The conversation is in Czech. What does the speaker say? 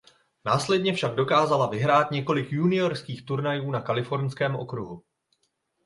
Následně však dokázala vyhrát několik juniorských turnajů na kalifornském okruhu.